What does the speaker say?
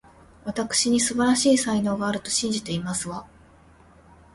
わたくしには、素晴らしい才能があると信じていますわ